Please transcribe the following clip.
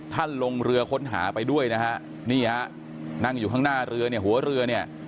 ลงเรือค้นหาไปด้วยนะฮะนี่ฮะนั่งอยู่ข้างหน้าเรือเนี่ยหัวเรือเนี่ย